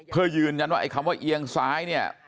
เพิ่ยืนอย่างนั้นว่าไอ้คำว่าเอียงซ้าย